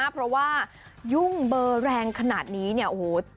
เพราะว่ายุ่งเบอร์แรงขนาดนี้เนี่ยโอ้โห